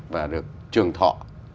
và được trường thọ